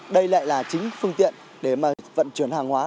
đây lại là chính phương tiện để mà vận chuyển hàng hóa